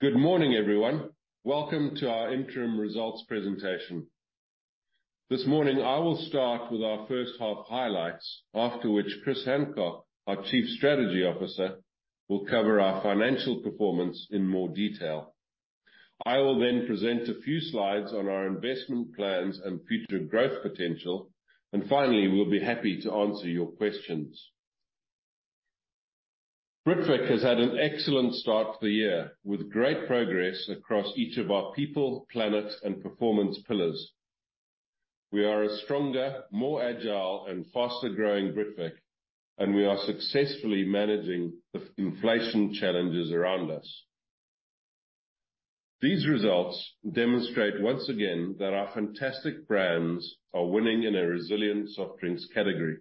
Good morning, everyone. Welcome to our interim results presentation. This morning, I will start with our first half highlights, after which Chris Hancock, our Chief Strategy Officer, will cover our financial performance in more detail. I will then present a few slides on our investment plans and future growth potential. Finally, we'll be happy to answer your questions. Britvic has had an excellent start to the year, with great progress across each of our people, planet, and performance pillars. We are a stronger, more agile and faster-growing Britvic, and we are successfully managing the inflation challenges around us. These results demonstrate once again that our fantastic brands are winning in a resilient soft drinks category.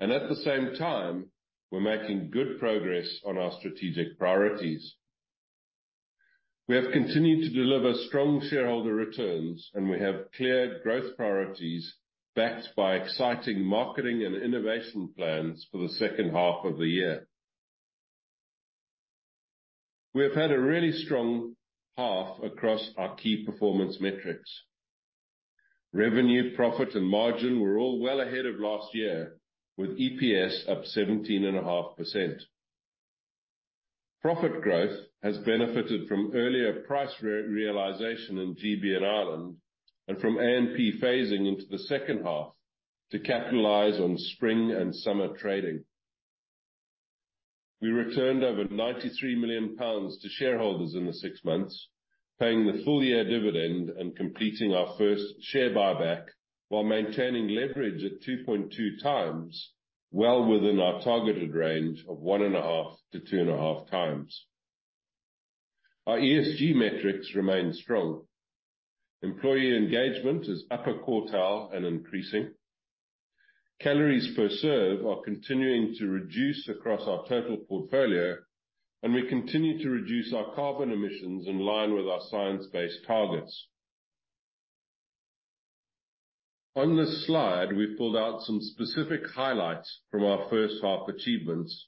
At the same time, we're making good progress on our strategic priorities. We have continued to deliver strong shareholder returns. We have clear growth priorities backed by exciting marketing and innovation plans for the second half of the year. We have had a really strong half across our key performance metrics. Revenue, profit, and margin were all well ahead of last year, with EPS up 17.5%. Profit growth has benefited from earlier price re-realization in GB and Ireland, from A&P phasing into the second half to capitalize on spring and summer trading. We returned over 93 million pounds to shareholders in the six months, paying the full year dividend and completing our first share buyback while maintaining leverage at 2.2x, well within our targeted range of 1.5x-2.5x. Our ESG metrics remain strong. Employee engagement is upper quartile and increasing. Calories per serve are continuing to reduce across our total portfolio. We continue to reduce our carbon emissions in line with our science-based targets. On this slide, we pulled out some specific highlights from our first half achievements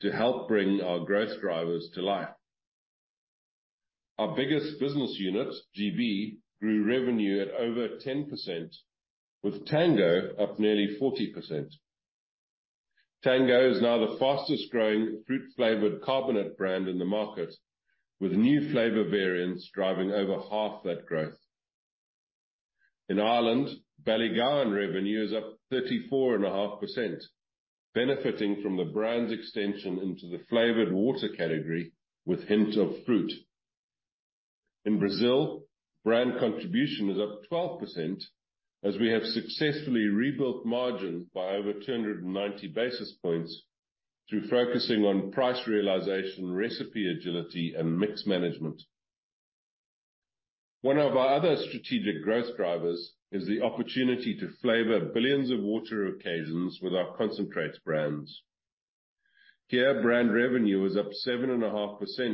to help bring our growth drivers to life. Our biggest business unit, GB, grew revenue at over 10%, with Tango up nearly 40%. Tango is now the fastest growing fruit flavored carbonate brand in the market, with new flavor variants driving over half that growth. In Ireland, Ballygowan revenue is up 34.5%, benefiting from the brand's extension into the flavored water category with Hint of Fruit. In Brazil, brand contribution is up 12% as we have successfully rebuilt margin by over 290 basis points through focusing on price realization, recipe agility, and mix management. One of our other strategic growth drivers is the opportunity to flavor billions of water occasions with our concentrates brands. Here, brand revenue is up 7.5%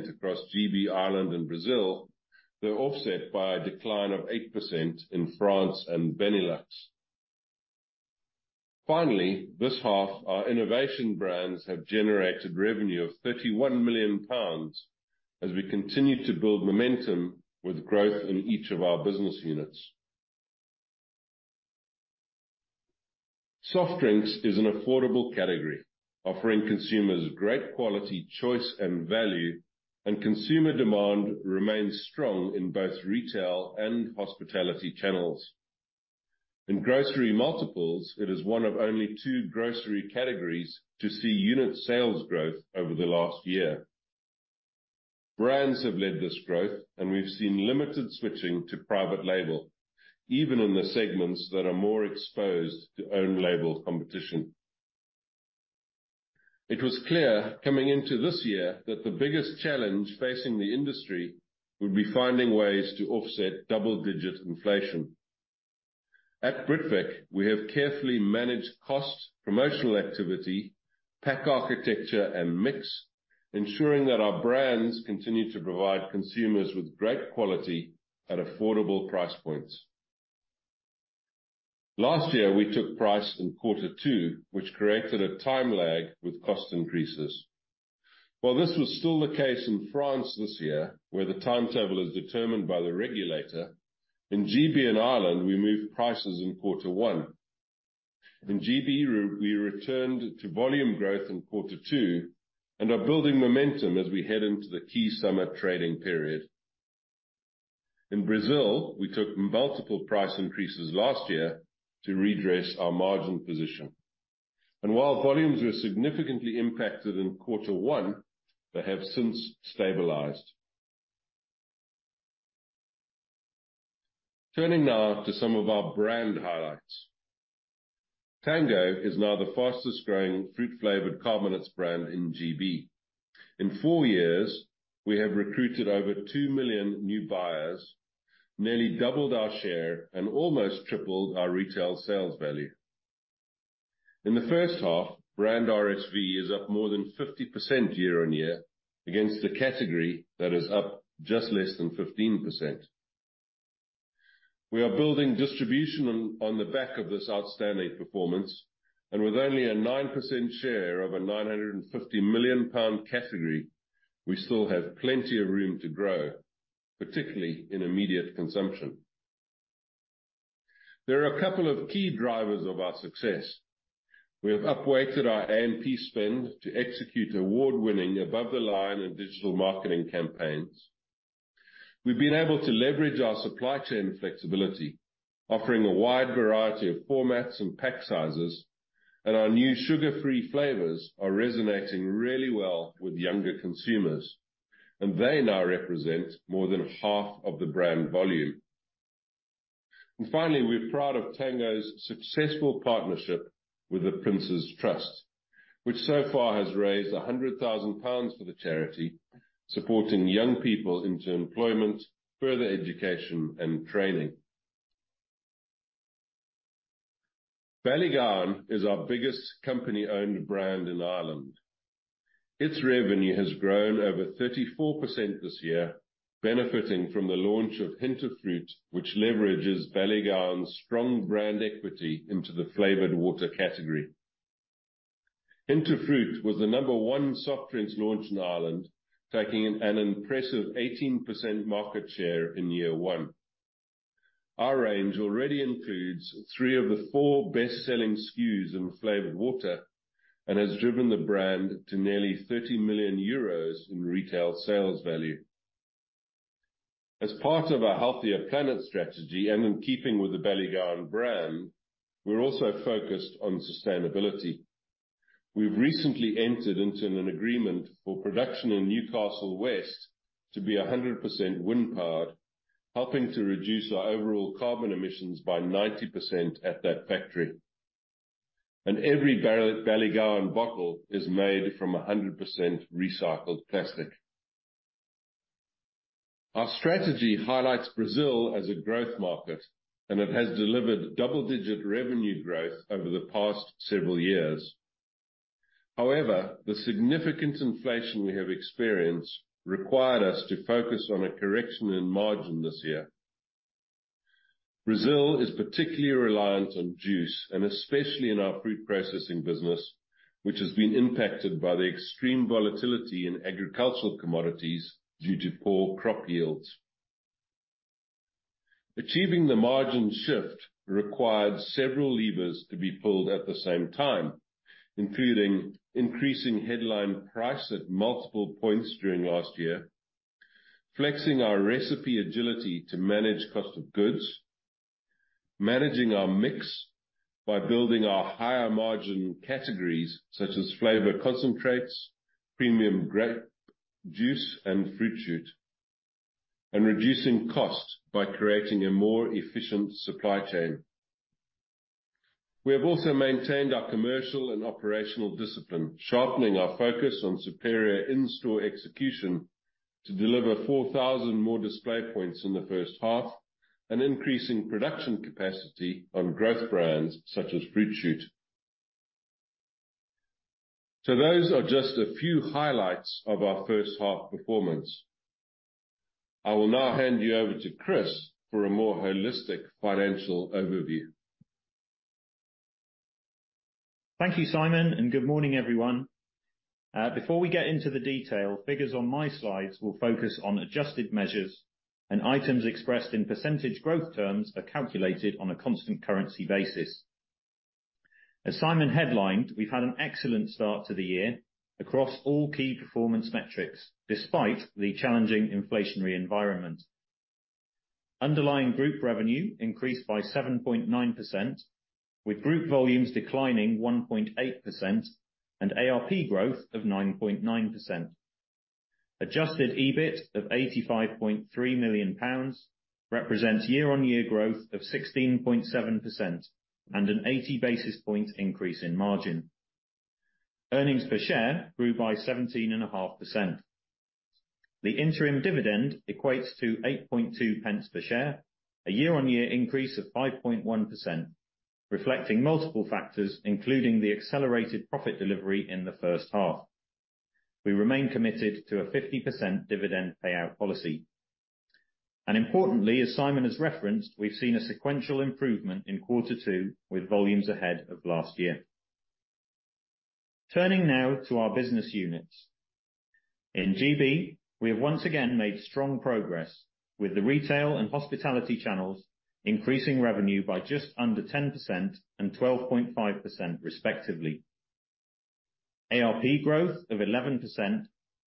across GB, Ireland, and Brazil, though offset by a decline of 8% in France and Benelux. This half, our innovation brands have generated revenue of 31 million pounds as we continue to build momentum with growth in each of our business units. Soft drinks is an affordable category, offering consumers great quality, choice, and value. Consumer demand remains strong in both retail and hospitality channels. In grocery multiples, it is one of only two grocery categories to see unit sales growth over the last year. Brands have led this growth. We've seen limited switching to private label, even in the segments that are more exposed to own label competition. It was clear coming into this year that the biggest challenge facing the industry would be finding ways to offset double-digit inflation. At Britvic, we have carefully managed costs, promotional activity, pack architecture, and mix, ensuring that our brands continue to provide consumers with great quality at affordable price points. Last year, we took price in quarter two, which created a time lag with cost increases. While this was still the case in France this year, where the timetable is determined by the regulator, in GB and Ireland, we moved prices in quarter one. In GB, we returned to volume growth in quarter two and are building momentum as we head into the key summer trading period. In Brazil, we took multiple price increases last year to redress our margin position. While volumes were significantly impacted in quarter one, they have since stabilized. Turning now to some of our brand highlights. Tango is now the fastest growing fruit-flavored carbonates brand in GB. In four years, we have recruited over 2 million new buyers, nearly doubled our share, and almost tripled our retail sales value. In the first half, brand RSV is up more than 50% year-over-year against a category that is up just less than 15%. We are building distribution on the back of this outstanding performance. With only a 9% share of a 950 million pound category, we still have plenty of room to grow, particularly in immediate consumption. There are a couple of key drivers of our success. We have up-weighted our A&P spend to execute award-winning above the line and digital marketing campaigns. We've been able to leverage our supply chain flexibility, offering a wide variety of formats and pack sizes, our new sugar-free flavors are resonating really well with younger consumers. They now represent more than half of the brand volume. Finally, we're proud of Tango's successful partnership with The Prince's Trust, which so far has raised 100,000 pounds for the charity, supporting young people into employment, further education and training. Ballygowan is our biggest company-owned brand in Ireland. Its revenue has grown over 34% this year, benefiting from the launch of Hint of Fruit, which leverages Ballygowan's strong brand equity into the flavored water category. Hint of Fruit was the number one soft drinks launch in Ireland, taking an impressive 18% market share in year one. Our range already includes three of the four best-selling SKUs in flavored water and has driven the brand to nearly 30 million euros in retail sales value. As part of our Healthier Planet strategy and in keeping with the Ballygowan brand, we're also focused on sustainability. We've recently entered into an agreement for production in Newcastle West to be 100% wind-powered, helping to reduce our overall carbon emissions by 90% at that factory. Every Ballygowan bottle is made from 100% recycled plastic. Our strategy highlights Brazil as a growth market, it has delivered double-digit revenue growth over the past several years. The significant inflation we have experienced required us to focus on a correction in margin this year. Brazil is particularly reliant on juice and especially in our fruit processing business, which has been impacted by the extreme volatility in agricultural commodities due to poor crop yields. Achieving the margin shift required several levers to be pulled at the same time, including increasing headline price at multiple points during last year, flexing our recipe agility to manage cost of goods, managing our mix by building our higher margin categories such as Flavor Concentrates, Premium Grape Juice and Fruit Shoot, and reducing costs by creating a more efficient supply chain. We have also maintained our commercial and operational discipline, sharpening our focus on superior in-store execution to deliver 4,000 more display points in the first half and increasing production capacity on growth brands such as Fruit Shoot. Those are just a few highlights of our first half performance. I will now hand you over to Chris for a more holistic financial overview. Thank you, Simon, good morning, everyone. Before we get into the detail, figures on my slides will focus on adjusted measures, and items expressed in % growth terms are calculated on a constant currency basis. As Simon headlined, we've had an excellent start to the year across all key performance metrics despite the challenging inflationary environment. Underlying group revenue increased by 7.9%, with group volumes declining 1.8% and ARP growth of 9.9%. Adjusted EBIT of 85.3 million pounds represents year-on-year growth of 16.7% and an 80 basis point increase in margin. Earnings per share grew by 17.5%. The interim dividend equates to 8.2 pence per share, a year-on-year increase of 5.1%, reflecting multiple factors, including the accelerated profit delivery in the first half. We remain committed to a 50% dividend payout policy. Importantly, as Simon has referenced, we've seen a sequential improvement in Q2 with volumes ahead of last year. Turning now to our business units. In GB, we have once again made strong progress with the retail and hospitality channels, increasing revenue by just under 10% and 12.5% respectively. ARP growth of 11%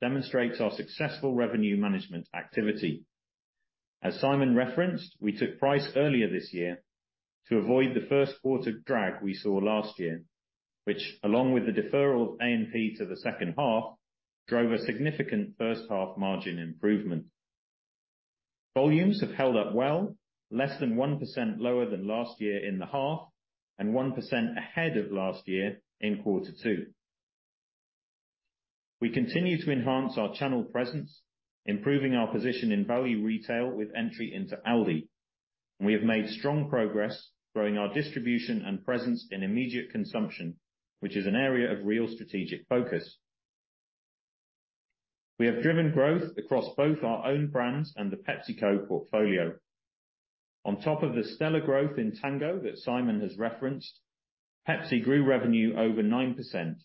demonstrates our successful revenue management activity. As Simon referenced, we took price earlier this year to avoid the 1st quarter drag we saw last year, which along with the deferral of A&P to the 2nd half, drove a significant 1st half margin improvement. Volumes have held up well, less than 1% lower than last year in the half, and 1% ahead of last year in Q2. We continue to enhance our channel presence, improving our position in value retail with entry into Aldi. We have made strong progress growing our distribution and presence in immediate consumption, which is an area of real strategic focus. We have driven growth across both our own brands and the PepsiCo portfolio. On top of the stellar growth in Tango that Simon has referenced, Pepsi grew revenue over 9%.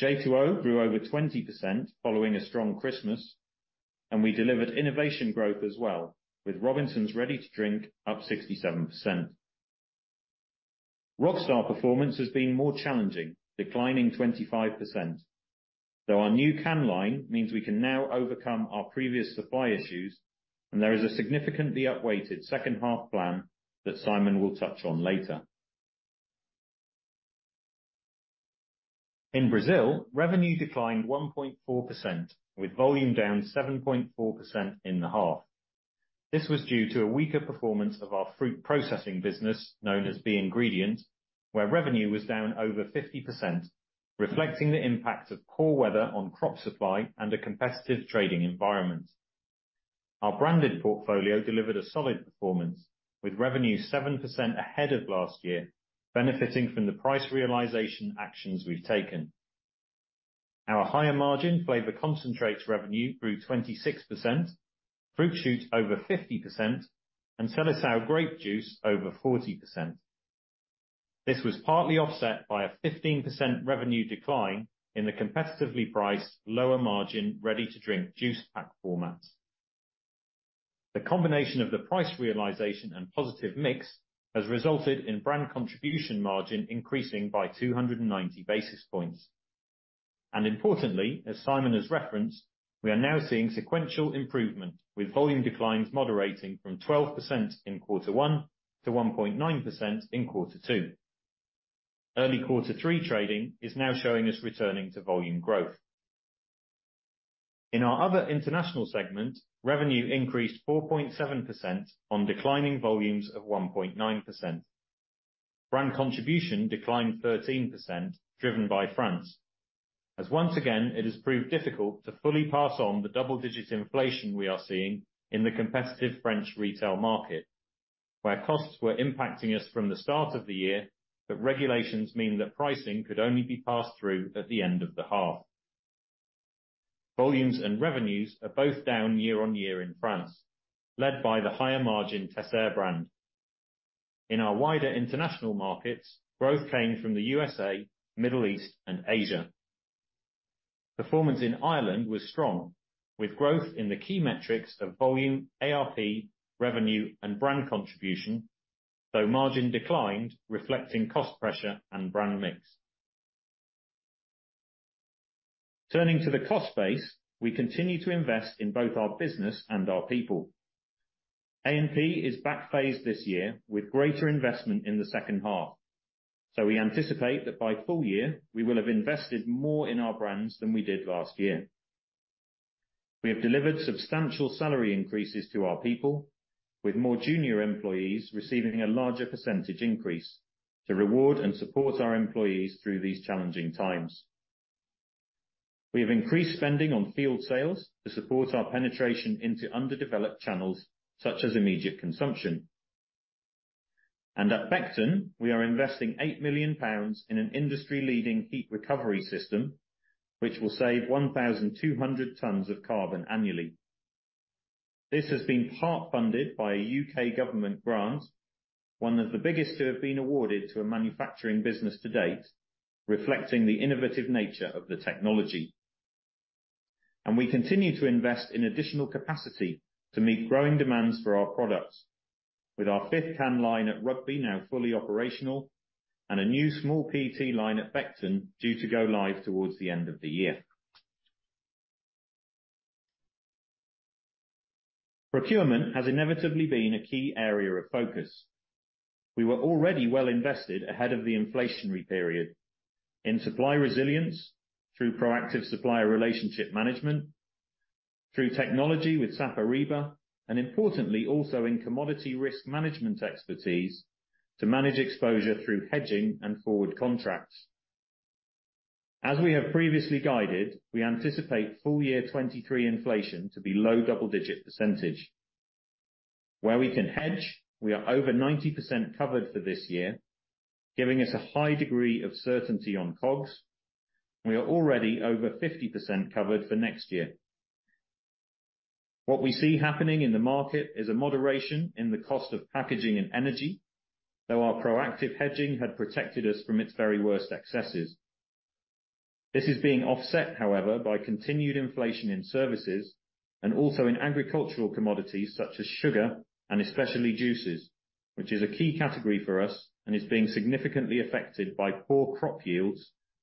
J2O grew over 20% following a strong Christmas, and we delivered innovation growth as well, with Robinsons Ready to Drink up 67%. Rockstar performance has been more challenging, declining 25%. Though our new can line means we can now overcome our previous supply issues, and there is a significantly upweighted second half plan that Simon will touch on later. In Brazil, revenue declined 1.4%, with volume down 7.4% in the half. This was due to a weaker performance of our fruit processing business, known as Be Ingredient, where revenue was down over 50%, reflecting the impact of poor weather on crop supply and a competitive trading environment. Our branded portfolio delivered a solid performance, with revenue 7% ahead of last year benefiting from the price realization actions we've taken. Our higher margin flavor concentrates revenue grew 26%, Fruit Shoot over 50%.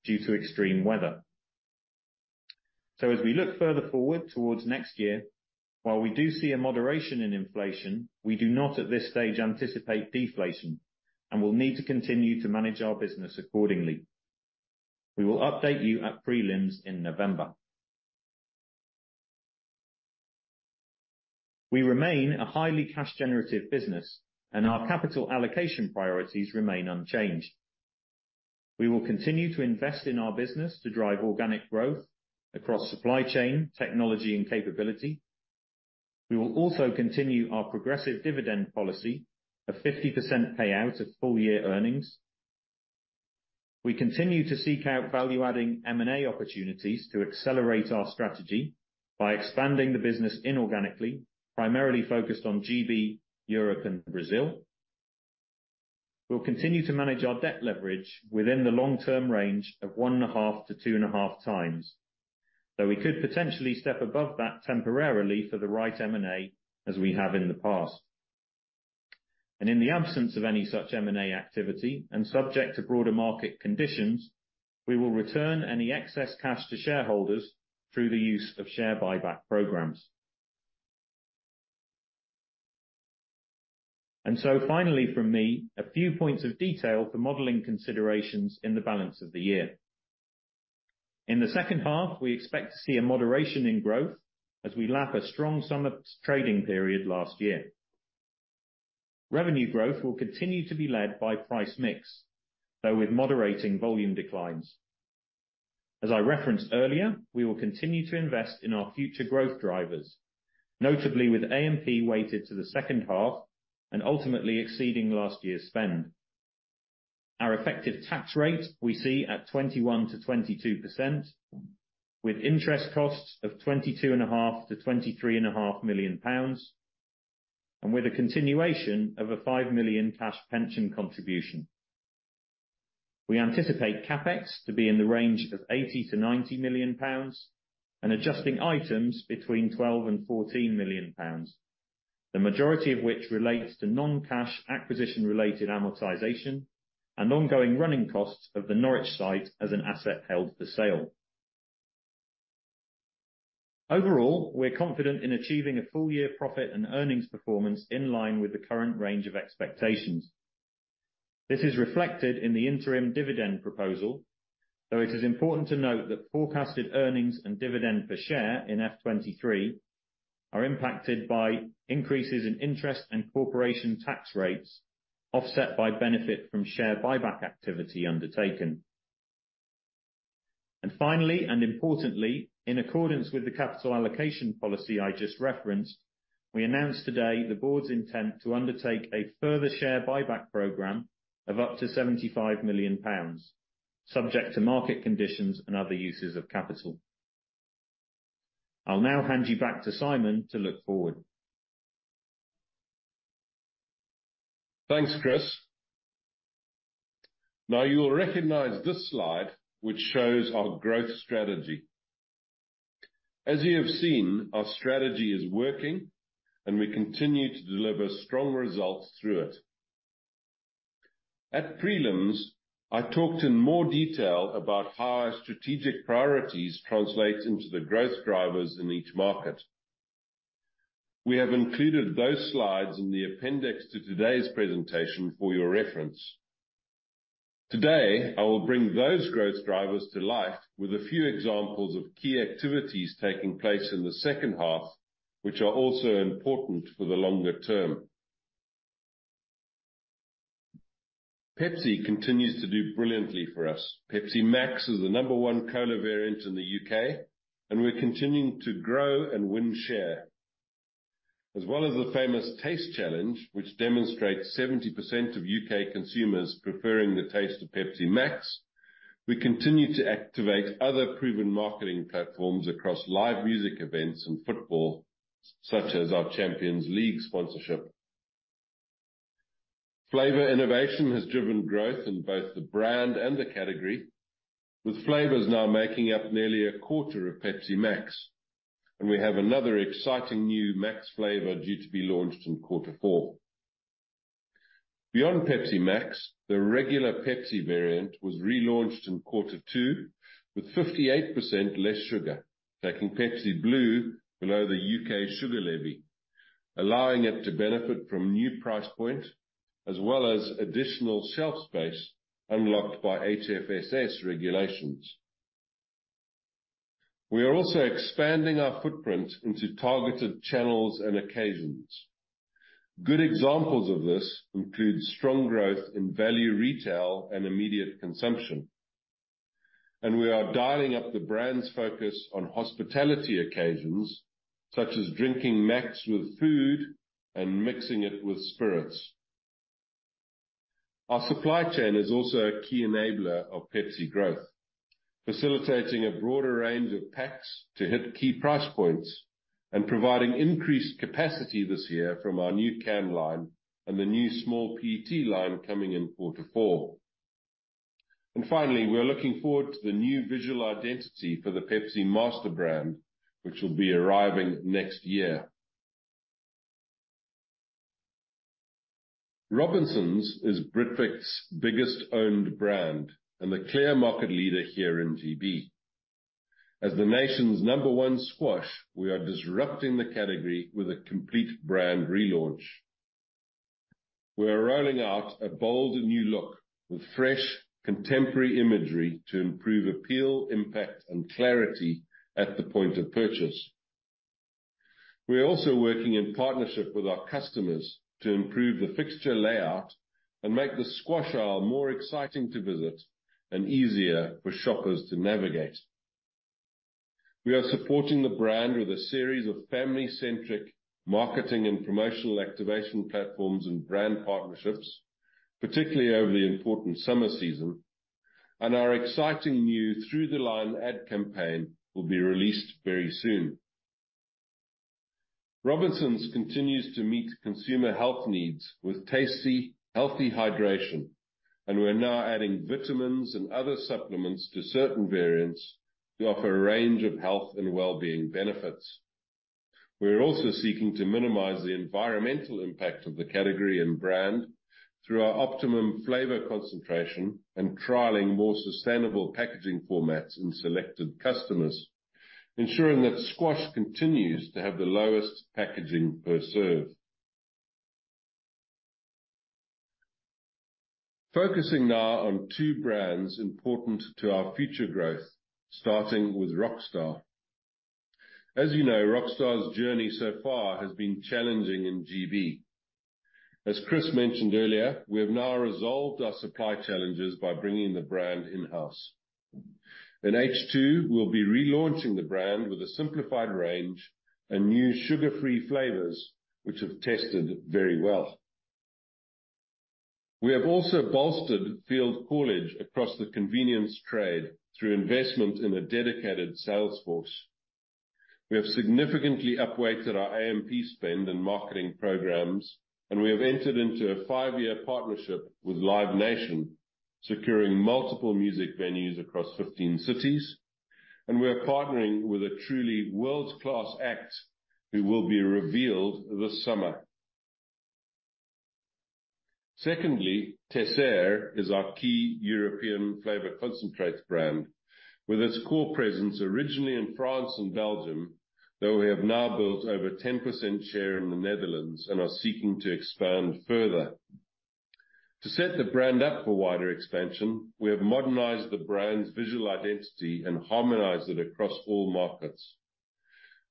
We remain a highly cash-generative business, and our capital allocation priorities remain unchanged. We will continue to invest in our business to drive organic growth across supply chain, technology and capability. We will also continue our progressive dividend policy of 50% payout of full-year earnings. We continue to seek out value-adding M&A opportunities to accelerate our strategy by expanding the business inorganically, primarily focused on GB, Europe and Brazil. We'll continue to manage our debt leverage within the long term range of 1.5x-2.5x, though we could potentially step above that temporarily for the right M&A, as we have in the past. In the absence of any such M&A activity and subject to broader market conditions, we will return any excess cash to shareholders through the use of share buyback programs. Finally from me, a few points of detail for modeling considerations in the balance of the year. In the second half, we expect to see a moderation in growth as we lap a strong summer trading period last year. Revenue growth will continue to be led by price mix, though with moderating volume declines. As I referenced earlier, we will continue to invest in our future growth drivers, notably with A&P weighted to the second half and ultimately exceeding last year's spend. Our effective tax rate we see at 21%-22%, with interest costs of 22.5 million-23.5 million pounds, and with a continuation of a 5 million cash pension contribution. We anticipate CapEx to be in the range of 80 million-90 million pounds and adjusting items between 12 million and 14 million pounds, the majority of which relates to non-cash acquisition related amortization and ongoing running costs of the Norwich site as an asset held for sale. Overall, we're confident in achieving a full year profit and earnings performance in line with the current range of expectations. This is reflected in the interim dividend proposal, though it is important to note that forecasted earnings and dividend per share in FY 2023 are impacted by increases in interest and corporation tax rates, offset by benefit from share buyback activity undertaken. Finally, and importantly, in accordance with the capital allocation policy I just referenced, we announced today the board's intent to undertake a further share buyback program of up to 75 million pounds, subject to market conditions and other uses of capital. I'll now hand you back to Simon to look forward. Thanks, Chris. Now, you will recognize this slide, which shows our growth strategy. As you have seen, our strategy is working, and we continue to deliver strong results through it. At prelims, I talked in more detail about how our strategic priorities translate into the growth drivers in each market. We have included those slides in the appendix to today's presentation for your reference. Today, I will bring those growth drivers to life with a few examples of key activities taking place in the second half, which are also important for the longer term. Pepsi continues to do brilliantly for us. Pepsi MAX is the number one cola variant in the U.K., and we're continuing to grow and win share. As well as the famous taste challenge, which demonstrates 70% of U.K. consumers preferring the taste of Pepsi MAX, we continue to activate other proven marketing platforms across live music events and football, such as our Champions League sponsorship. Flavor innovation has driven growth in both the brand and the category, with flavors now making up nearly 1/4 of Pepsi MAX, and we have another exciting new MAX flavor due to be launched in Q4. Beyond Pepsi MAX, the regular Pepsi variant was relaunched in Q2 with 58% less sugar, taking Pepsi Blue below the U.K. sugar levy, allowing it to benefit from new price point as well as additional shelf space unlocked by HFSS regulations. We are also expanding our footprint into targeted channels and occasions. Good examples of this include strong growth in value retail and immediate consumption. We are dialing up the brand's focus on hospitality occasions, such as drinking Max with food and mixing it with spirits. Our supply chain is also a key enabler of Pepsi growth, facilitating a broader range of packs to hit key price points and providing increased capacity this year from our new can line and the new small PET line coming in quarter four. Finally, we are looking forward to the new visual identity for the Pepsi master brand, which will be arriving next year. Robinsons is Britvic's biggest owned brand and the clear market leader here in GB. As the nation's number 1 squash, we are disrupting the category with a complete brand relaunch. We are rolling out a bold new look with fresh, contemporary imagery to improve appeal, impact and clarity at the point of purchase. We are also working in partnership with our customers to improve the fixture layout and make the squash aisle more exciting to visit and easier for shoppers to navigate. We are supporting the brand with a series of family-centric marketing and promotional activation platforms and brand partnerships, particularly over the important summer season, and our exciting new through-the-line ad campaign will be released very soon. Robinsons continues to meet consumer health needs with tasty, healthy hydration, and we're now adding vitamins and other supplements to certain variants to offer a range of health and well-being benefits. We are also seeking to minimize the environmental impact of the category and brand through our optimum flavor concentration and trialing more sustainable packaging formats in selected customers, ensuring that squash continues to have the lowest packaging per serve. Focusing now on two brands important to our future growth, starting with Rockstar. As you know, Rockstar's journey so far has been challenging in GB. As Chris mentioned earlier, we have now resolved our supply challenges by bringing the brand in-house. In H2, we'll be relaunching the brand with a simplified range and new sugar-free flavors, which have tested very well. We have also bolstered field callage across the convenience trade through investment in a dedicated sales force. We have significantly upweighted our AMP spend and marketing programs. We have entered into a five-year partnership with Live Nation, securing multiple music venues across 15 cities. We are partnering with a truly world-class act who will be revealed this summer. Secondly, Teisseire is our key European flavor concentrate brand with its core presence originally in France and Belgium, though we have now built over 10% share in the Netherlands and are seeking to expand further. To set the brand up for wider expansion, we have modernized the brand's visual identity and harmonized it across all markets.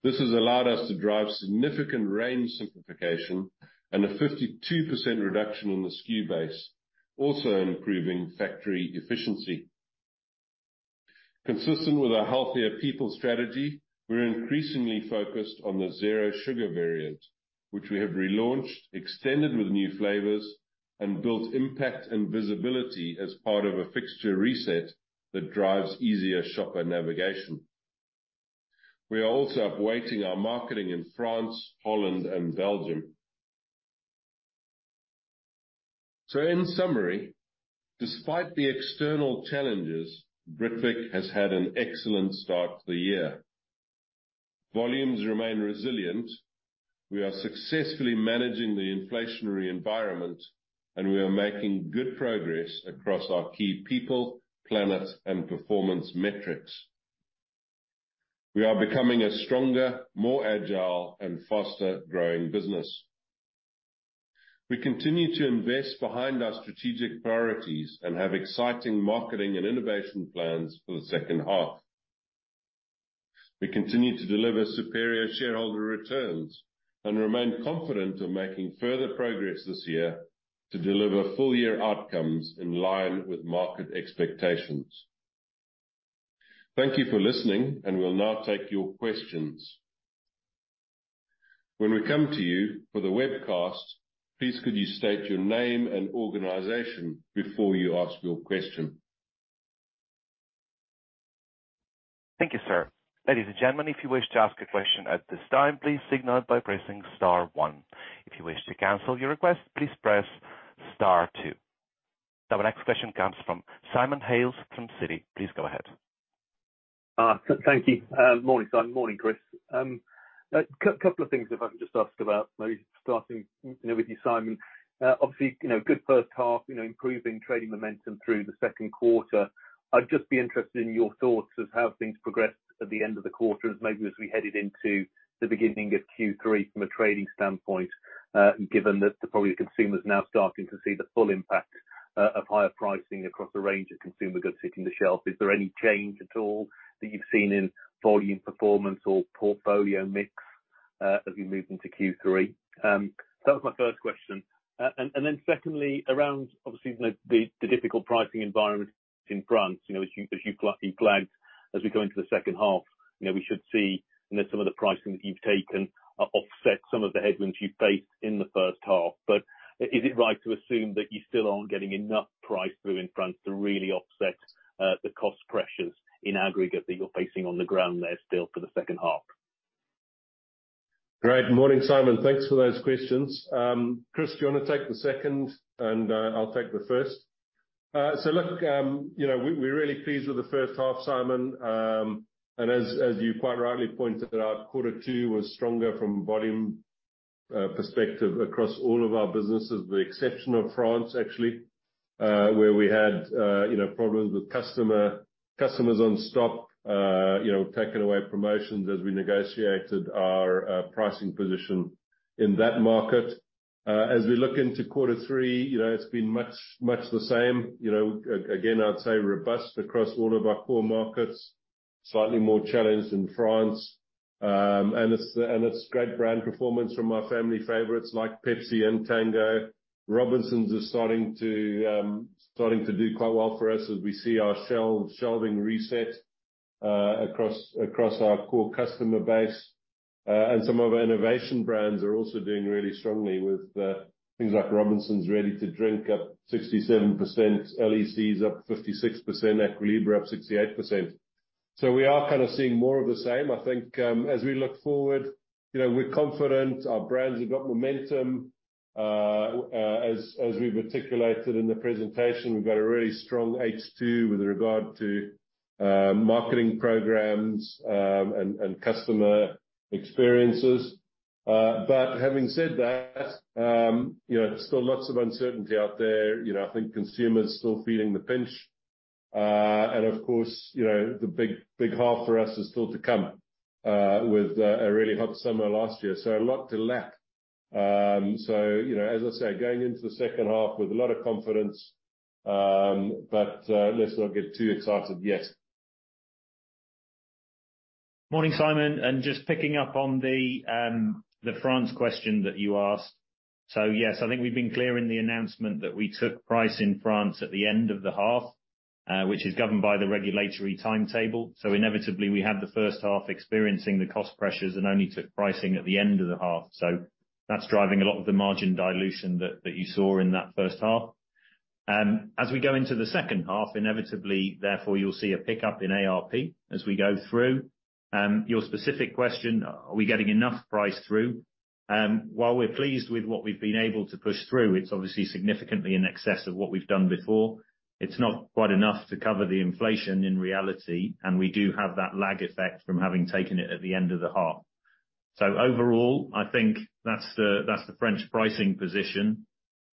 This has allowed us to drive significant range simplification and a 52% reduction in the SKU base, also improving factory efficiency. Consistent with our healthier people strategy, we're increasingly focused on the zero sugar variant, which we have relaunched, extended with new flavors, and built impact and visibility as part of a fixture reset that drives easier shopper navigation. We are also upweighting our marketing in France, Holland and Belgium. In summary, despite the external challenges, Britvic has had an excellent start to the year. Volumes remain resilient. We are successfully managing the inflationary environment, and we are making good progress across our key people, planet, and performance metrics. We are becoming a stronger, more agile and faster-growing business. We continue to invest behind our strategic priorities and have exciting marketing and innovation plans for the second half. We continue to deliver superior shareholder returns and remain confident of making further progress this year to deliver full year outcomes in line with market expectations. Thank you for listening. We'll now take your questions. When we come to you for the webcast, please could you state your name and organization before you ask your question. Thank you, sir. Ladies and gentlemen, if you wish to ask a question at this time, please signal it by pressing star one. If you wish to cancel your request, please press star two. Our next question comes from Simon Hales from Citi. Please go ahead. Thank you. Morning, Simon. Morning, Chris. A couple of things, if I can just ask about maybe starting, you know, with you, Simon. Obviously, you know, good first half, you know, improving trading momentum through the second quarter. I'd just be interested in your thoughts of how things progressed at the end of the quarter and maybe as we headed into the beginning of Q3 from a trading standpoint, given that probably the consumer is now starting to see the full impact of higher pricing across a range of consumer goods hitting the shelf. Is there any change at all that you've seen in volume performance or portfolio mix, as we move into Q3? That was my first question. Then secondly, around obviously the difficult pricing environment in France. You know, as you, as you flagged as we go into the second half, you know, we should see some of the pricing that you've taken, offset some of the headwinds you faced in the first half. Is it right to assume that you still aren't getting enough price through in France to really offset, the cost pressures in aggregate that you're facing on the ground there still for the second half? Great. Morning, Simon. Thanks for those questions. Chris, do you wanna take the second, I'll take the first. You know, we're really pleased with the first half, Simon. As you quite rightly pointed out, quarter two was stronger from volume perspective across all of our businesses, with the exception of France, actually, where we had, you know, problems with customer on stop, you know, taking away promotions as we negotiated our pricing position in that market. As we look into quarter three, you know, it's been much the same. You know, again, I'd say robust across all of our core markets, slightly more challenged in France. It's great brand performance from our family favorites like Pepsi and Tango. Robinsons is starting to do quite well for us as we see our shelving reset across our core customer base. And some of our innovation brands are also doing really strongly with things like Robinsons Ready to Drink up 67%, LEC is up 56%, Aqua Libra up 68%. We are kind of seeing more of the same. I think, as we look forward, you know, we're confident. As we articulated in the presentation, we've got a really strong H2 with regard to marketing programs and customer experiences. Having said that, you know, still lots of uncertainty out there. You know, I think consumers are still feeling the pinch. Of course, you know, the big, big half for us is still to come, with a really hot summer last year. A lot to lap. You know, as I say, going into the second half with a lot of confidence, let's not get too excited yet. Morning, Simon. Just picking up on the France question that you asked. Yes, I think we've been clear in the announcement that we took price in France at the end of the half, which is governed by the regulatory timetable. Inevitably we had the first half experiencing the cost pressures and only took pricing at the end of the half. That's driving a lot of the margin dilution that you saw in that first half. As we go into the second half, inevitably therefore you'll see a pickup in ARP as we go through. Your specific question, are we getting enough price through? While we're pleased with what we've been able to push through, it's obviously significantly in excess of what we've done before. It's not quite enough to cover the inflation in reality, we do have that lag effect from having taken it at the end of the half. Overall, I think that's the, that's the French pricing position.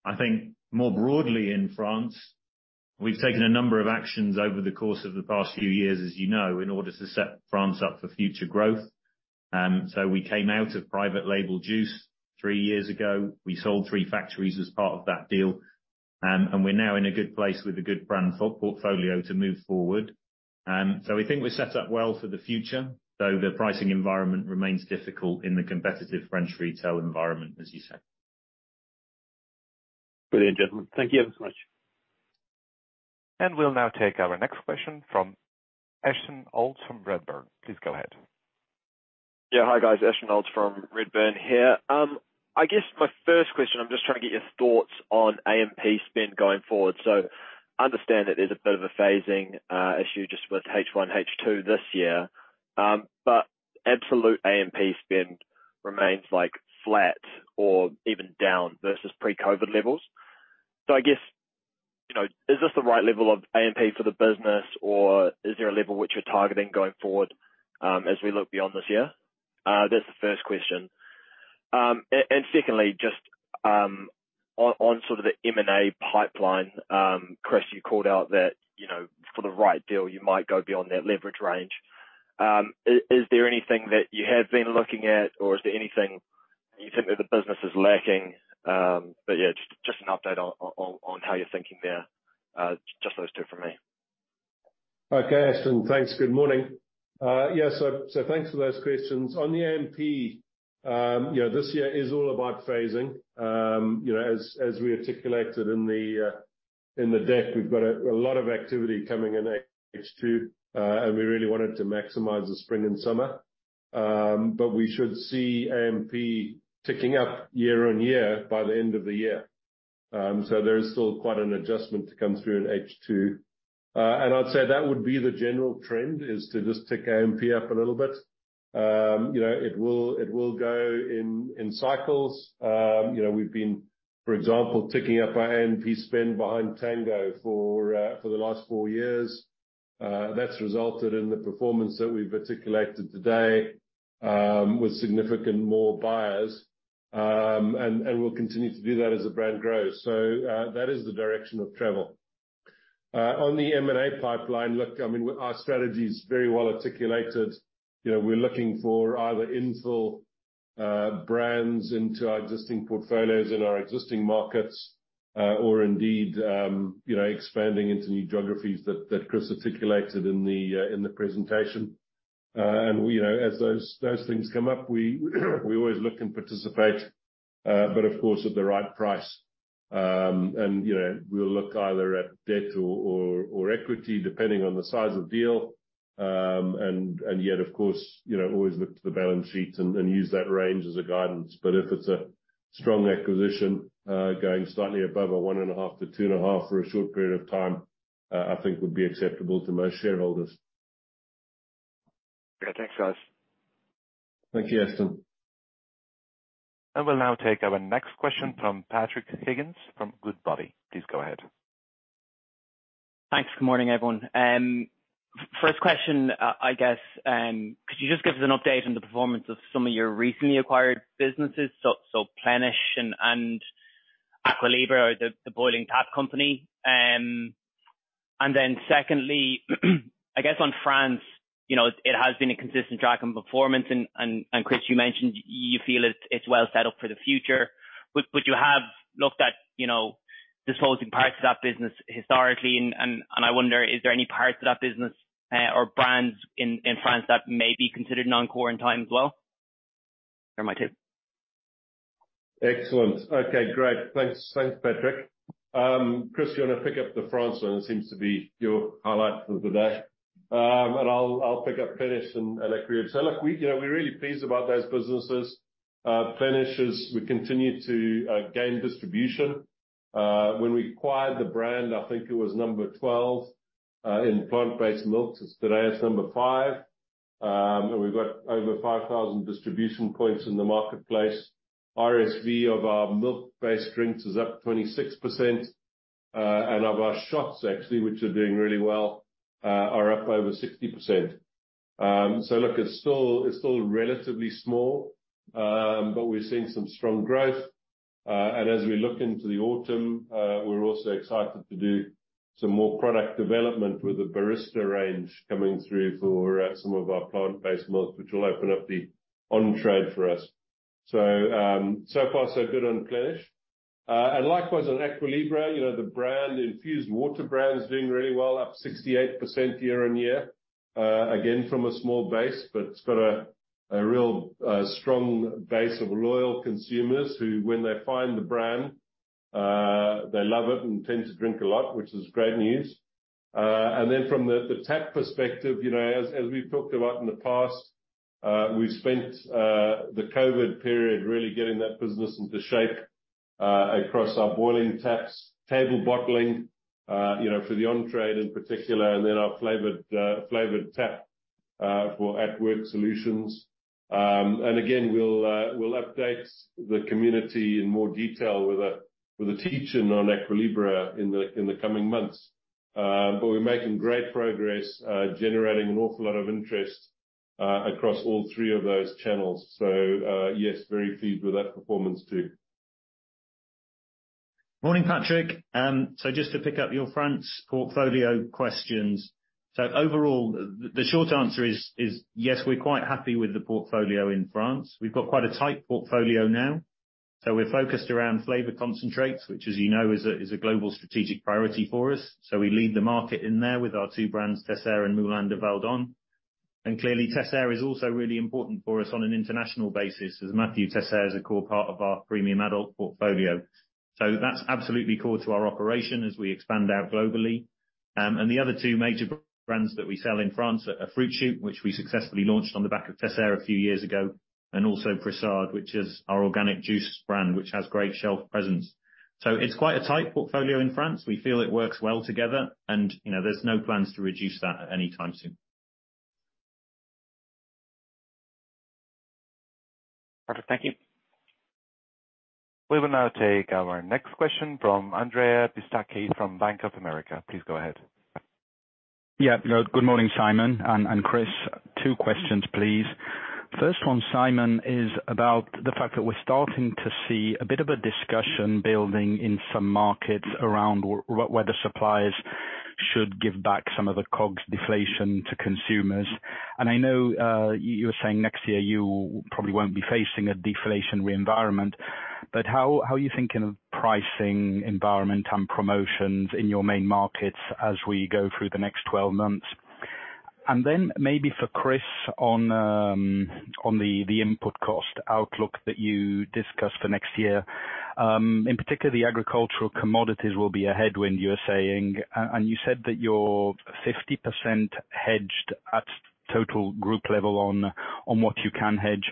I think more broadly in France, we've taken a number of actions over the course of the past few years, as you know, in order to set France up for future growth. We came out of private label juice three years ago. We sold three factories as part of that deal. We're now in a good place with a good brand portfolio to move forward. We think we're set up well for the future, though the pricing environment remains difficult in the competitive French retail environment, as you say. Brilliant, gentlemen. Thank you ever so much. We'll now take our next question from Ashton Olds from Redburn. Please go ahead. Yeah. Hi, guys. Ashton Olds from Redburn here. I guess my first question, I'm just trying to get your thoughts on A&P spend going forward. Understand that there's a bit of a phasing issue just with H1, H2 this year. Absolute A&P spend remains like flat or even down versus pre-COVID levels. I guess, you know, is this the right level of A&P for the business, or is there a level which you're targeting going forward as we look beyond this year? That's the first question. And secondly, just on sort of the M&A pipeline, Chris, you called out that, you know, for the right deal you might go beyond that leverage range. Is there anything that you have been looking at, or is there anything you think that the business is lacking? Yeah, just an update on how you're thinking there. Just those two from me. Okay, Ashton. Thanks. Good morning. Yeah, thanks for those questions. On the A&P, you know, this year is all about phasing. You know, as we articulated in the deck, we've got a lot of activity coming in H2. We really wanted to maximize the spring and summer. We should see A&P ticking up year-on-year by the end of the year. There is still quite an adjustment to come through in H2. I'd say that would be the general trend, is to just tick A&P up a little bit. You know, it will go in cycles. You know, we've been, for example, ticking up our A&P spend behind Tango for the last four years. That's resulted in the performance that we've articulated today, with significant more buyers. We'll continue to do that as the brand grows. That is the direction of travel. On the M&A pipeline, look, I mean, our strategy is very well articulated. You know, we're looking for either infill brands into our existing portfolios in our existing markets, or indeed, you know, expanding into new geographies that Chris articulated in the presentation. You know, as those things come up, we always look and participate, but of course at the right price. You know, we'll look either at debt or equity, depending on the size of deal. Yet of course, you know, always look to the balance sheets and use that range as a guidance. If it's a strong acquisition, going slightly above 1.5x-2.5x for a short period of time, I think would be acceptable to most shareholders. Yeah. Thanks, guys. Thank you, Ashton. We'll now take our next question from Patrick Higgins from Goodbody. Please go ahead. Thanks. Good morning, everyone. First question, I guess, could you just give us an update on the performance of some of your recently acquired businesses, so Plenish and Aqua Libra or the boiling tap company? Secondly, I guess on France, you know, it has been a consistent track on performance, and Chris, you mentioned you feel it's well set up for the future, but you have looked at, you know- disposing parts of that business historically. I wonder, is there any parts of that business, or brands in France that may be considered non-core in time as well? They're my two. Excellent. Okay, great. Thanks. Thanks, Patrick. Chris, you wanna pick up the France one. It seems to be your highlight for today. I'll pick up Plenish and Aqua Libra. Look, we, you know, we're really pleased about those businesses. Plenish is. We continue to gain distribution. When we acquired the brand, I think it was number 12 in plant-based milks. Today, it's number five. We've got over 5,000 distribution points in the marketplace. RSV of our milk-based drinks is up 26%, and of our shots actually, which are doing really well, are up over 60%. Look, it's still relatively small, but we're seeing some strong growth. As we look into the autumn, we're also excited to do some more product development with the barista range coming through for some of our plant-based milk, which will open up the on-trade for us. So far so good on Plenish. Likewise on Aqua Libra, you know, the brand, infused water brand is doing really well, up 68% year-on-year. Again, from a small base, but it's got a real strong base of loyal consumers who, when they find the brand, they love it and tend to drink a lot, which is great news. From the tap perspective, you know, as we’ve talked about in the past, we’ve spent the COVID period really getting that business into shape across our boiling taps, table bottling, you know, for the on-trade in particular, and then our flavored tap for at work solutions. Again, we’ll update the community in more detail with a teach-in on Aqua Libra in the coming months. But we’re making great progress, generating an awful lot of interest across all three of those channels. Yes, very pleased with that performance too. Morning, Patrick. Just to pick up your France portfolio questions. Overall, the short answer is yes, we're quite happy with the portfolio in France. We've got quite a tight portfolio now. We're focused around flavor concentrates, which as you know, is a global strategic priority for us. We lead the market in there with our two brands, Teisseire and Moulin de Valdonne. Clearly, Teisseire is also really important for us on an international basis, as Mathieu Teisseire is a core part of our premium adult portfolio. That's absolutely core to our operation as we expand out globally. The other two major brands that we sell in France are Fruit Shoot, which we successfully launched on the back of Teisseire a few years ago, and also Pressade, which is our organic juice brand, which has great shelf presence. It's quite a tight portfolio in France. We feel it works well together and, you know, there's no plans to reduce that at any time soon. Perfect. Thank you. We will now take our next question from Andrea Pistacchi from Bank of America. Please go ahead. Yeah. No, good morning, Simon and Chris. Two questions, please. First one, Simon, is about the fact that we're starting to see a bit of a discussion building in some markets around whether suppliers should give back some of the COGS deflation to consumers. I know you were saying next year you probably won't be facing a deflationary environment, but how are you thinking of pricing environment and promotions in your main markets as we go through the next 12 months? Then maybe for Chris on the input cost outlook that you discussed for next year. In particular, the agricultural commodities will be a headwind you're saying. You said that you're 50% hedged at total group level on what you can hedge.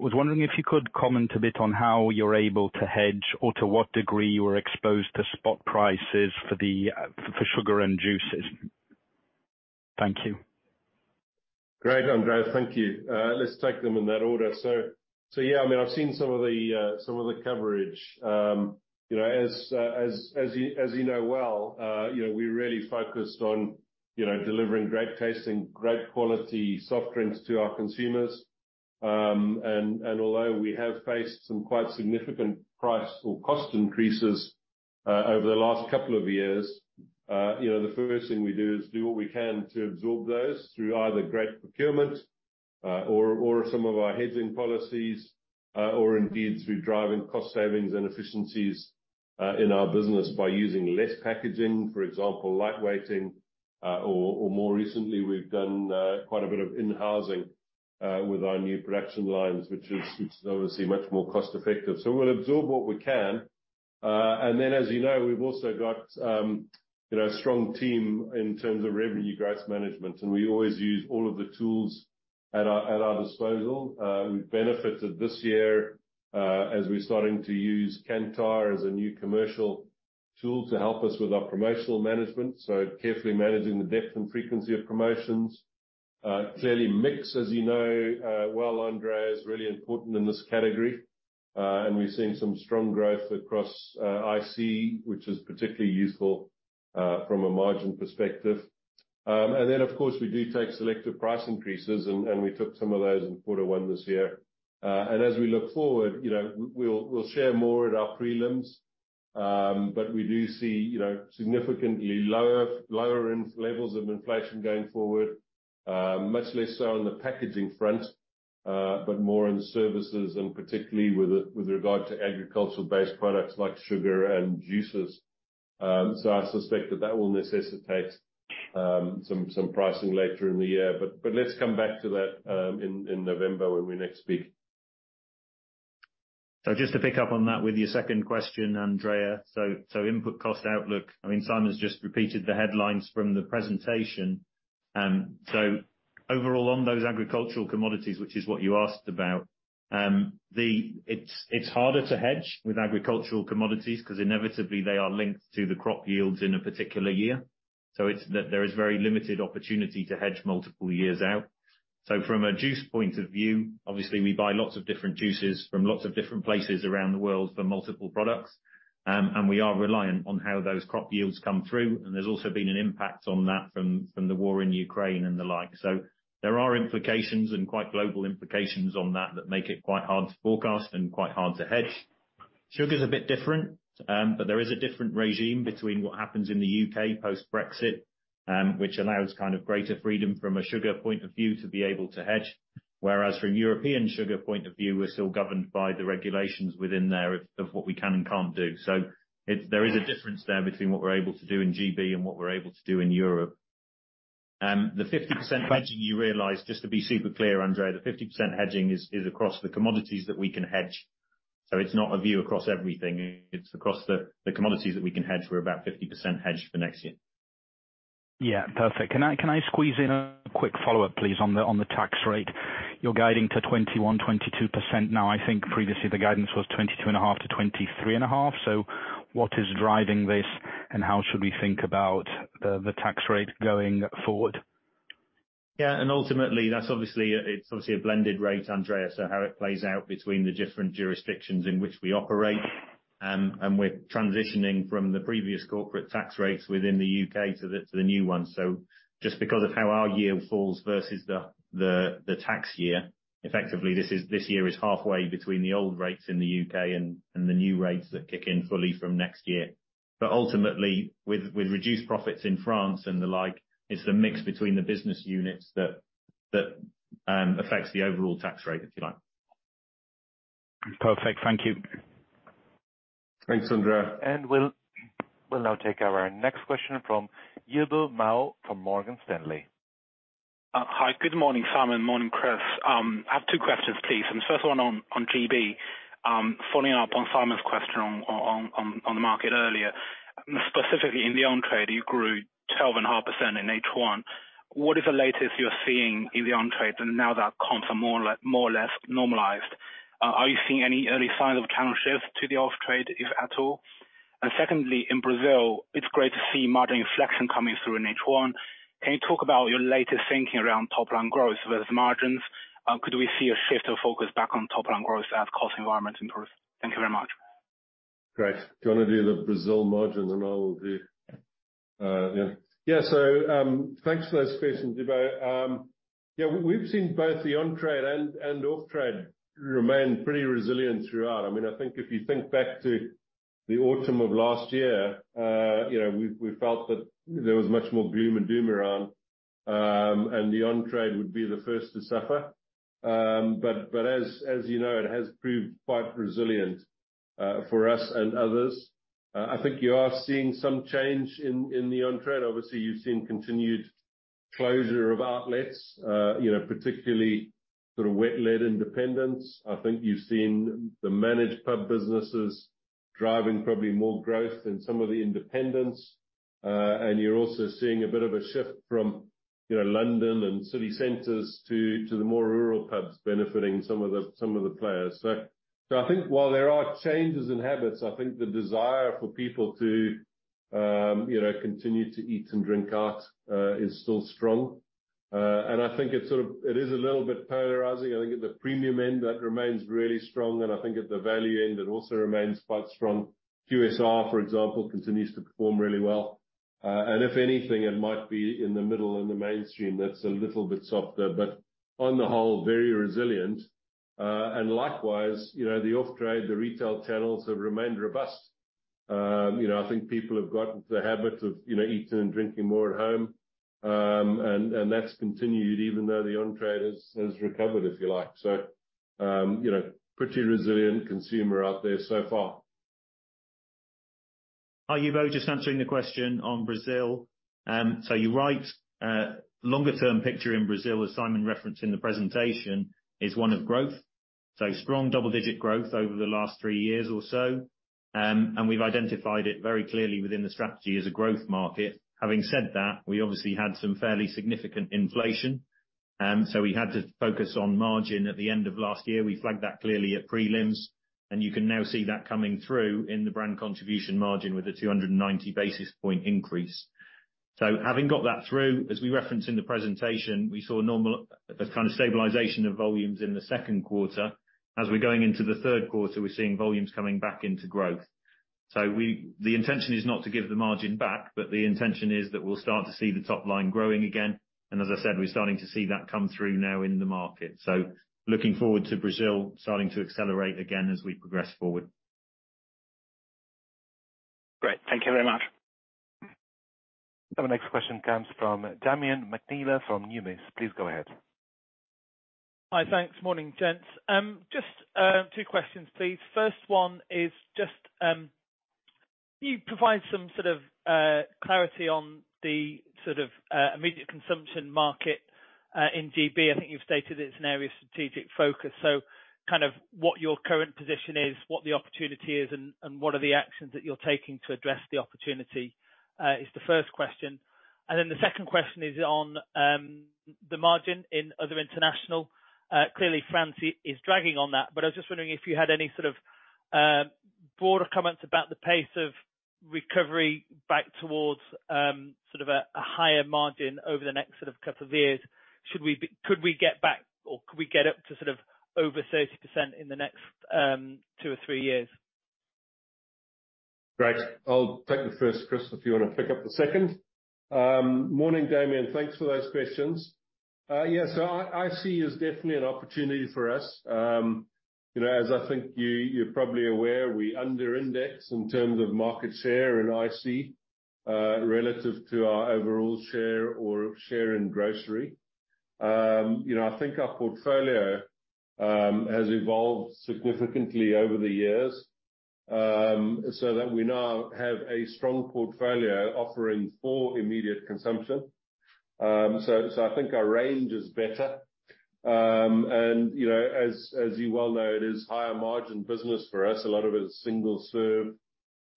I was wondering if you could comment a bit on how you're able to hedge or to what degree you are exposed to spot prices for the for sugar and juices? Thank you. Great, Andrea. Thank you. Let's take them in that order. Yeah, I mean, I've seen some of the coverage. You know, as you know well, you know, we're really focused on, you know, delivering great tasting, great quality soft drinks to our consumers. Although we have faced some quite significant price or cost increases, over the last couple of years, you know, the first thing we do is do what we can to absorb those through either great procurement, or some of our hedging policies, or indeed through driving cost savings and efficiencies, in our business by using less packaging, for example, light weighting, or more recently, we've done, quite a bit of in-housing, with our new production lines, which is obviously much more cost-effective. We'll absorb what we can. Then as you know, we've also got, you know, a strong team in terms of revenue growth management, and we always use all of the tools at our disposal. We've benefited this year, as we're starting to use Kantar as a new commercial tool to help us with our promotional management, so carefully managing the depth and frequency of promotions. Clearly mix, as you know, well, Andrea, is really important in this category. We've seen some strong growth across IC, which is particularly useful from a margin perspective. Of course, we do take selective price increases and we took some of those in quarter one this year. As we look forward, you know, we'll share more at our prelims. We do see, you know, significantly lower levels of inflation going forward, much less so on the packaging front. More in services, and particularly with regard to agricultural-based products like sugar and juices. I suspect that that will necessitate some pricing later in the year. Let's come back to that in November when we next speak. Just to pick up on that with your second question, Andrea. Input cost outlook, I mean, Simon's just repeated the headlines from the presentation. Overall, on those agricultural commodities, which is what you asked about, it's harder to hedge with agricultural commodities because inevitably they are linked to the crop yields in a particular year. There is very limited opportunity to hedge multiple years out. From a juice point of view, obviously, we buy lots of different juices from lots of different places around the world for multiple products. And we are reliant on how those crop yields come through, and there's also been an impact on that from the war in Ukraine and the like. There are implications and quite global implications on that that make it quite hard to forecast and quite hard to hedge. Sugar is a bit different, but there is a different regime between what happens in the U.K. post-Brexit, which allows kind of greater freedom from a sugar point of view to be able to hedge. Whereas from European sugar point of view, we're still governed by the regulations within there of what we can and can't do. There is a difference there between what we're able to do in GB and what we're able to do in Europe. The 50% hedging you realize, just to be super clear, Andrea, the 50% hedging is across the commodities that we can hedge. It's not a view across everything, it's across the commodities that we can hedge. We're about 50% hedged for next year. Yeah, perfect. Can I, can I squeeze in a quick follow-up, please, on the, on the tax rate? You're guiding to 21%-22% now. I think previously the guidance was 22.5%-23.5%. What is driving this, and how should we think about the tax rate going forward? Ultimately, it's obviously a blended rate, Andrea. How it plays out between the different jurisdictions in which we operate, and we're transitioning from the previous corporate tax rates within the U.K. to the new one. Just because of how our year falls versus the tax year, effectively this year is halfway between the old rates in the U.K. and the new rates that kick in fully from next year. Ultimately, with reduced profits in France and the like, it's the mix between the business units that affects the overall tax rate, if you like. Perfect. Thank you. Thanks, Andrea. We'll now take our next question from Yubo Mao from Morgan Stanley. Hi. Good morning, Simon. Morning, Chris. I have two questions, please. The first one on GB, following up on Simon's question on the market earlier. Specifically in the on-trade, you grew 12.5% in H1. What is the latest you're seeing in the on-trade now that comps are more or less normalized? Are you seeing any early signs of channel shift to the off-trade, if at all? Secondly, in Brazil, it's great to see margin inflection coming through in H1. Can you talk about your latest thinking around top line growth versus margins? Could we see a shift of focus back on top line growth as cost environment improves? Thank you very much. Great. Do you wanna do the Brazil margin and I'll do yeah. Yeah. Thanks for those questions, Yubo. Yeah, we've seen both the on-trade and off-trade remain pretty resilient throughout. I mean, I think if you think back to the autumn of last year, you know, we felt that there was much more gloom and doom around, and the on-trade would be the first to suffer. As you know, it has proved quite resilient, for us and others. I think you are seeing some change in the on-trade. Obviously, you've seen continued closure of outlets, you know, particularly sort of wet-led independents. I think you've seen the managed pub businesses driving probably more growth than some of the independents. You're also seeing a bit of a shift from, you know, London and city centers to the more rural pubs benefiting some of the players. I think while there are changes in habits, I think the desire for people to, you know, continue to eat and drink out, is still strong. I think it is a little bit polarizing. I think at the premium end, that remains really strong, and I think at the value end, it also remains quite strong. QSR, for example, continues to perform really well. If anything, it might be in the middle, in the mainstream, that's a little bit softer, but on the whole, very resilient. Likewise, you know, the off-trade, the retail channels have remained robust, you know, I think people have got into the habit of, you know, eating and drinking more at home. That's continued even though the on-trade has recovered, if you like. you know, pretty resilient consumer out there so far. Hi, Yubo, just answering the question on Brazil. You're right. Longer term picture in Brazil, as Simon referenced in the presentation, is one of growth. Strong double-digit growth over the last three years or so. We've identified it very clearly within the strategy as a growth market. Having said that, we obviously had some fairly significant inflation, so we had to focus on margin at the end of last year. We flagged that clearly at prelims, and you can now see that coming through in the brand contribution margin with the 290 basis point increase. Having got that through, as we referenced in the presentation, we saw a kind of stabilization of volumes in the second quarter. As we're going into the third quarter, we're seeing volumes coming back into growth. The intention is not to give the margin back, but the intention is that we'll start to see the top line growing again. As I said, we're starting to see that come through now in the market. Looking forward to Brazil starting to accelerate again as we progress forward. Thank you very much. Our next question comes from Damian McNeela from Numis. Please go ahead. Hi. Thanks. Morning, gents. Just two questions, please. First one is just, can you provide some sort of clarity on the sort of immediate consumption market in GB? I think you've stated it's an area of strategic focus. Kind of what your current position is, what the opportunity is, and what are the actions that you're taking to address the opportunity is the first question. The second question is on the margin in other international. Clearly France is dragging on that, but I was just wondering if you had any sort of broader comments about the pace of recovery back towards sort of a higher margin over the next sort of two years. Should we could we get back or could we get up to sort of over 30% in the next two or three years? Great. I'll take the first, Chris, if you wanna pick up the second. Morning, Damian. Thanks for those questions. Yeah, so IC is definitely an opportunity for us. You know, as I think you're probably aware, we under index in terms of market share in IC, relative to our overall share or share in grocery. You know, I think our portfolio has evolved significantly over the years, so that we now have a strong portfolio offering for immediate consumption. So I think our range is better. And, you know, as you well know, it is higher margin business for us. A lot of it is single serve,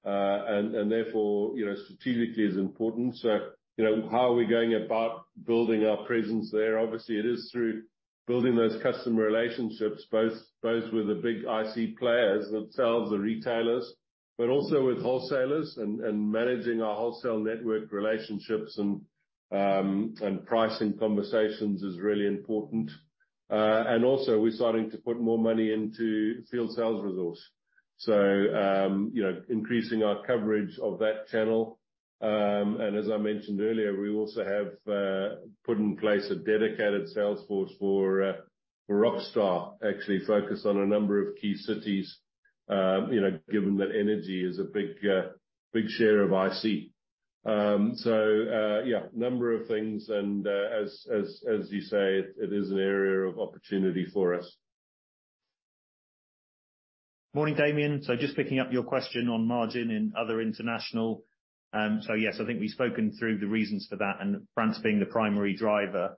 and therefore, you know, strategically is important. How are we going about building our presence there? Obviously, it is through building those customer relationships, both with the big IC players that sells the retailers, but also with wholesalers and managing our wholesale network relationships and pricing conversations is really important. Also, we're starting to put more money into field sales resource. You know, increasing our coverage of that channel. As I mentioned earlier, we also have put in place a dedicated sales force for Rockstar, actually focused on a number of key cities, you know, given that energy is a big share of IC. Yeah, a number of things and as you say, it is an area of opportunity for us. Morning, Damian. Just picking up your question on margin in other international. Yes, I think we've spoken through the reasons for that and France being the primary driver.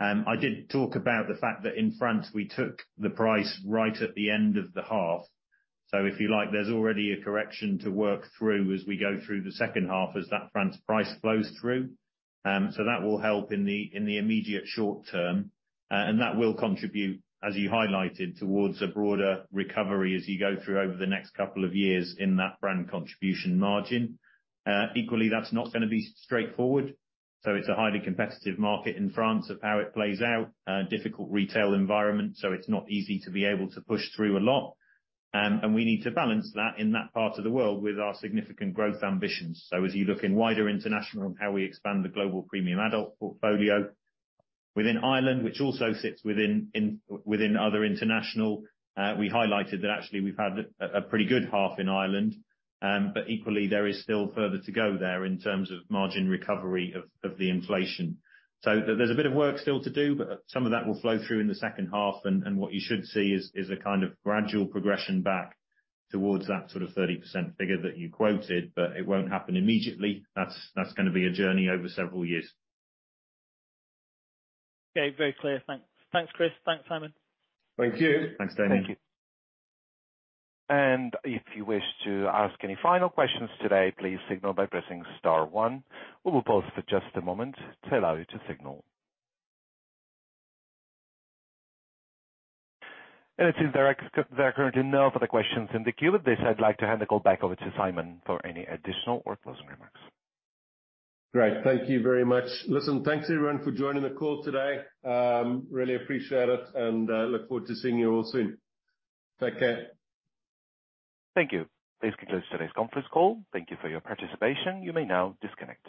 I did talk about the fact that in France, we took the price right at the end of the half. If you like, there's already a correction to work through as we go through the second half as that France price flows through. That will help in the immediate short term. That will contribute, as you highlighted, towards a broader recovery as you go through over the next couple of years in that brand contribution margin. Equally, that's not gonna be straightforward. It's a highly competitive market in France of how it plays out, a difficult retail environment, so it's not easy to be able to push through a lot. We need to balance that in that part of the world with our significant growth ambitions. As you look in wider international on how we expand the global premium adult portfolio. Within Ireland, which also sits within other international, we highlighted that actually we've had a pretty good half in Ireland, equally, there is still further to go there in terms of margin recovery of the inflation. There's a bit of work still to do, but some of that will flow through in the second half. What you should see is a kind of gradual progression back towards that sort of 30% figure that you quoted, but it won't happen immediately. That's gonna be a journey over several years. Okay. Very clear. Thanks. Thanks, Chris. Thanks, Simon. Thank you. Thanks, Damian. Thank you. If you wish to ask any final questions today, please signal by pressing star one. We will pause for just a moment to allow you to signal. It seems there are currently no further questions in the queue. At this, I'd like to hand the call back over to Simon for any additional or closing remarks. Great. Thank you very much. Listen, thanks, everyone for joining the call today. Really appreciate it, and look forward to seeing you all soon. Take care. Thank you. This concludes today's conference call. Thank you for your participation. You may now disconnect.